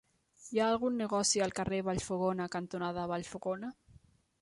Hi ha algun negoci al carrer Vallfogona cantonada Vallfogona?